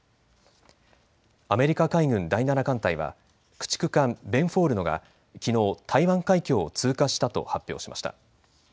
アメリカ海軍第７艦隊は駆逐艦ベンフォールドがきのう台湾海峡を通過したと発表しました。